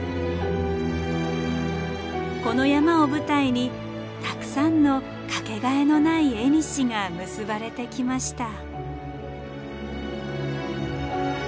この山を舞台にたくさんの掛けがえのない縁が結ばれてきました。